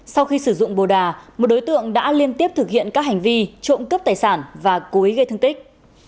sau khi sử dụng bồ đà một đối tượng đã liên tiếp thực hiện các hành vi trộm cướp tài sản và cúi gây thương tích